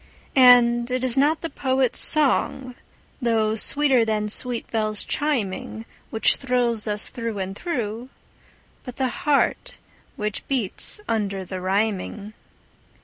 And it is not the poet's song, though sweeter than sweet bells chiming, Which thrills us through and through, but the heart which beats under the rhyming.